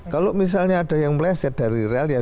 kalau misalnya ada yang meleset dari relnya